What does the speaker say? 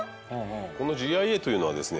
このＧＩＡというのはですね